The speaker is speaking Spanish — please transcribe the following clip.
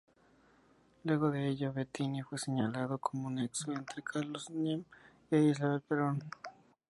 Luego de ello, Bettini fue señalado como nexo entre Carlos Menem e Isabel Perón.